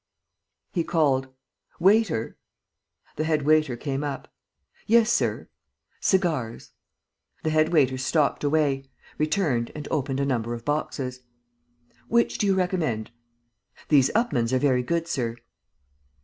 He called: "Waiter!" The head waiter came up: "Yes, sir?" "Cigars." The head waiter stalked away, returned and opened a number of boxes. "Which do you recommend?" "These Upmanns are very good, sir."